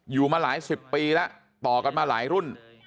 อยู่มาหลายสิบปีแล้วต่อกันมาหลายรุ่น